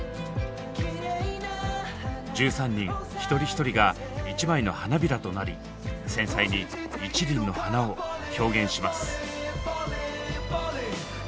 １３人一人一人が一枚の花びらとなり繊細に１輪の花を表現します。